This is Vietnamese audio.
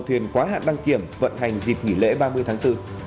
thuyền quá hạn đăng kiểm vận hành dịp nghỉ lễ ba mươi tháng bốn